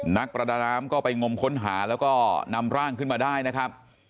นักประดาน้ำก็ไปงมค้นหาแล้วก็นำร่างขึ้นมาได้นะครับ